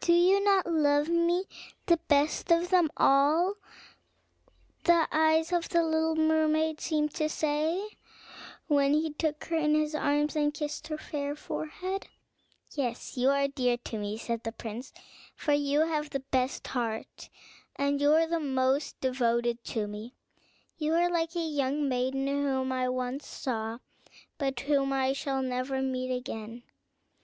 "Do you not love me the best of them all?" the eyes of the little mermaid seemed to say, when he took her in his arms, and kissed her fair forehead. "Yes, you are dear to me," said the prince; "for you have the best heart, and you are the most devoted to me; you are like a young maiden whom I once saw, but whom I shall never meet again.